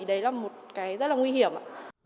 đấy là một cái rất là nguy hiểm ạ